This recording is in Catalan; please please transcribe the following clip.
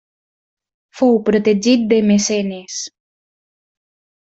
Fou protegit de Mecenes.